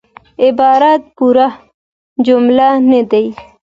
عبارت پوره جمله نه يي.